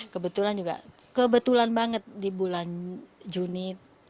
kebetulan juga kebetulan banget di bulan juni